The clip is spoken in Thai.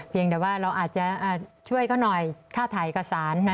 แต่ว่าเราอาจจะช่วยเขาหน่อยค่าถ่ายเอกสารนะ